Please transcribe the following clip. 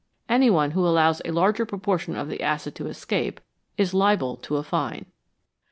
Any one who allows a larger proportion of the acid to escape is liable to a fine.